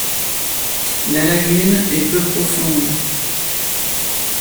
La lagune est peu profonde.